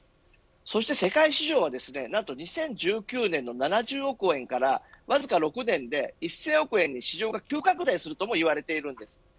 そして世界市場はですね２０１９年の７０億円からわずか６年で１０００億円に市場が急拡大するともいわれています。